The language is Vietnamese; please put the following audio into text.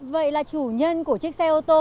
vậy là chủ nhân của chiếc xe ô tô